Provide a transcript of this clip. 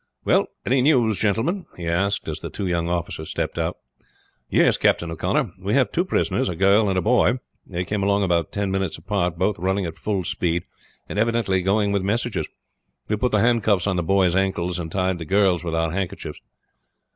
"Well, any news, gentlemen?" he asked as the two young officers stepped out. "Yes, Captain O'Connor. We have two prisoners a girl and a boy. They came along about ten minutes apart, both running at full speed and evidently going with messages. We put the handcuffs on the boy's ankles, and tied the girl's with our handkerchiefs."